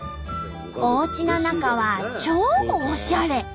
おうちの中は超おしゃれ！